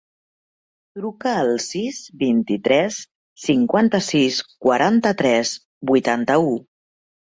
Truca al sis, vint-i-tres, cinquanta-sis, quaranta-tres, vuitanta-u.